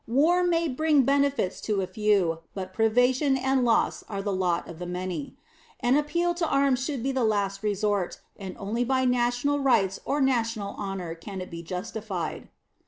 War may bring benefits to a few, but privation and loss are the lot of the many. An appeal to arms should be the last resort, and only by national rights or national honor can it be justified.